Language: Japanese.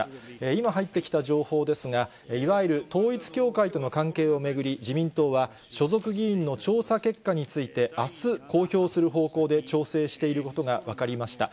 今、入ってきた情報ですが、いわゆる統一教会との関係を巡り、自民党は、所属議員の調査結果について、あす、公表する方向で調整していることが分かりました。